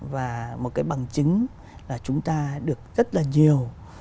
và một cái bằng chứng là chúng ta được rất là nhiều